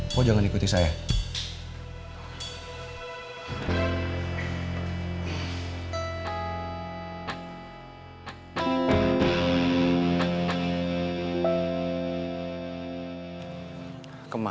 kau jangan ikuti saya